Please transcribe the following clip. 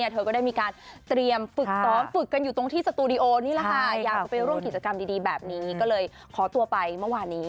พร้อมฝึกกันอยู่ตรงที่สตูดิโอนี่แหละค่ะอยากไปร่วมกิจกรรมดีแบบนี้ก็เลยขอตัวไปเมื่อวานนี้